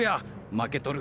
負けとる。